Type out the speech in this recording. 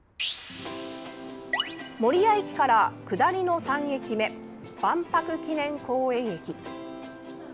守谷駅から下りの３駅目万博記念公園駅。